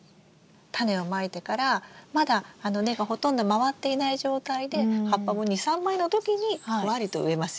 タネをまいてからまだ根がほとんど回っていない状態で葉っぱも２３枚の時にふわりと植えますよね。